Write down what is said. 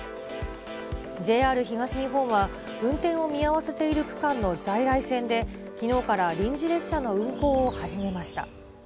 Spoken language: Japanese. ＪＲ東日本は、運転を見合わせている区間の在来線で、きのうから臨時列車の運行を始めました。